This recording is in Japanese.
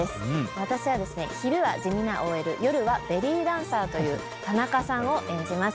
私はですね昼は地味なＯＬ夜はベリーダンサーという田中さんを演じます。